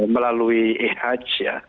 melalui ihaj ya